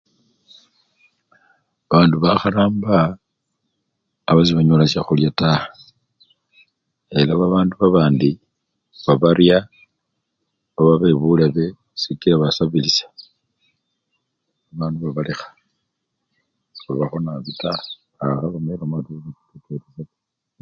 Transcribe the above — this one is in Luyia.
Babandu bakharamba aba sebanyola shakhulya taa ela babandu babandi babarya oba bebulebe sikila basabilisha babandu babalekha sebababakho nabii taa akhaloma eloma ate sebakirekeresha taa.